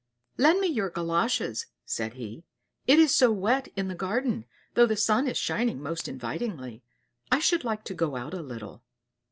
"Lend me your Galoshes," said he; "it is so wet in the garden, though the sun is shining most invitingly. I should like to go out a little."